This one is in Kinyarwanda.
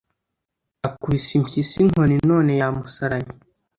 akubise impyisi inkoni none yamusaranye